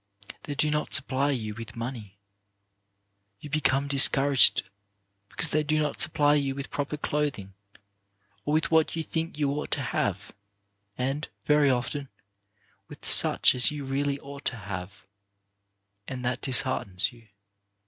They do not supply you with money. ' You become discouraged because they do not supply you with proper clothing, or with what you think you ought to have, and, very often, with such as you really ought to have, and that disheartens you.